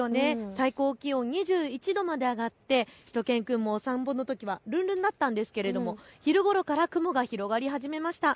最高気温２１度まで上がってしゅと犬くんもお散歩のときはるんるんだったんですが昼ごろから雲が広がり始めました。